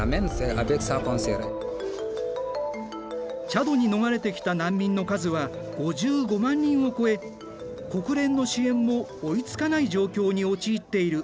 チャドに逃れてきた難民の数は５５万人を超え国連の支援も追いつかない状況に陥っている。